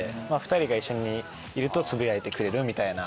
２人が一緒にいるとつぶやいてくれるみたいな。